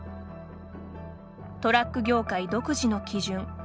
トラック業界独自の基準。